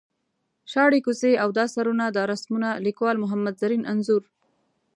شاړې کوڅې او دا سرونه دا رسمونه ـ لیکوال محمد زرین انځور.